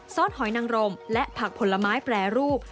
สหอยนังรมและผักผลไม้แปรรูป